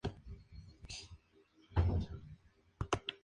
Fue expulsado en su debut contra Polonia, donde Inglaterra ganó por la mínima.